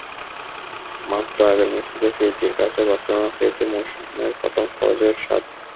মাত্রই আগের ম্যাচটিতে পিএসজির কাছে বার্সেলোনা পেয়েছে মৌসুমের প্রথম পরাজয়ের স্বাদ।